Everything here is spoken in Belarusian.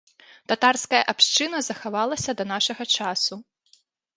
Татарская абшчына захавалася да нашага часу.